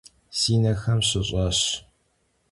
Si nexem şış'aş.